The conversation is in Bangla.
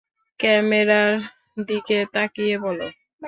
ক্যামেরার দিকে তাকিয়ে বলো।